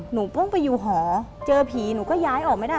หนูเพิ่งไปอยู่หอเจอผีหนูก็ย้ายออกไม่ได้